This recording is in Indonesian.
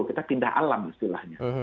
kita tindak alam istilahnya